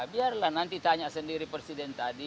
biarlah nanti tanya sendiri presiden tadi